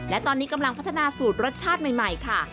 และตอนนี้กำลังพัฒนาสูตรรสชาติใหม่ค่ะ